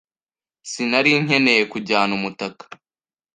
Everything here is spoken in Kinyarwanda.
Sinari nkeneye kujyana umutaka.